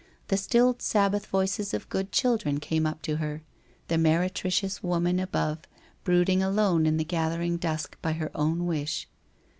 The stilled Sabbath voices of good children came up to her — the meretricious woman above, brooding alone in the gathering dusk by her own wish.